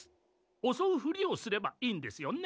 おそうふりをすればいいんですよね？